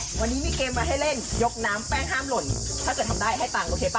วันนี้มีเกมมาให้เล่นยกน้ำแป้งห้ามหล่นถ้าเกิดทำได้ให้ตังค์โอเคป่